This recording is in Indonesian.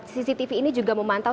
cctv ini juga memantau